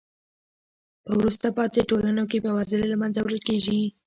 په وروسته پاتې ټولنو کې بې وزلۍ له منځه وړل کیږي.